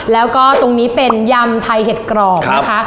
แล้วก็ตรงนี้เป็นยำไทยเห็ดกรอบนะคะ